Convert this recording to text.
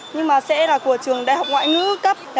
nhưng mà sẽ là của trường đại học ngoại ngữ cấp